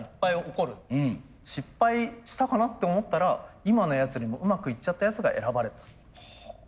失敗したかなって思ったら今のやつよりもうまくいっちゃったやつが選ばれた。